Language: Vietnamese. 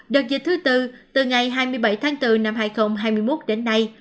đợt dịch thứ tư từ ngày hai mươi bảy tháng bốn năm hai nghìn hai mươi một đến nay